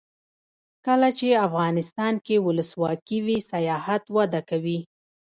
کله چې افغانستان کې ولسواکي وي سیاحت وده کوي.